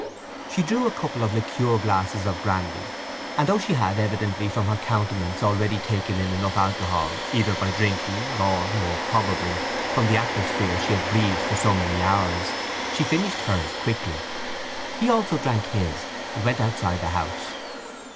She drew a couple of liqueur glasses of brandy; and though she had evidently, from her countenance, already taken in enough alcohol either by drinking or, more probably, from the atmosphere she had breathed for so many hours, she finished hers quickly. He also drank his, and went outside the house.